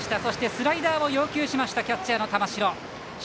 スライダーを要求しましたキャッチャーの玉城。